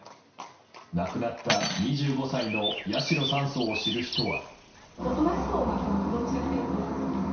亡くなった２５歳の八代３曹を知る人は。